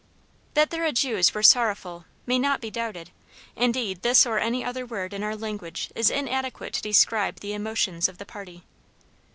That their adieus were sorrowful may not be doubted, indeed this or any other word in our language is inadequate to describe the emotions of the party.